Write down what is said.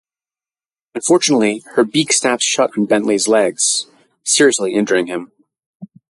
Unfortunately, her beak snaps shut on Bentley's legs, seriously injuring him.